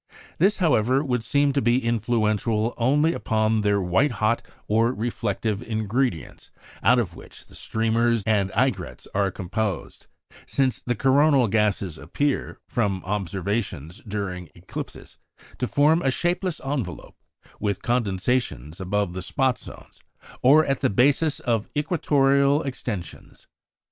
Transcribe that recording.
This, however, would seem to be influential only upon their white hot or reflective ingredients, out of which the streamers and aigrettes are composed; since the coronal gases appear, from observations during eclipses, to form a shapeless envelope, with condensations above the spot zones, or at the bases of equatorial extensions.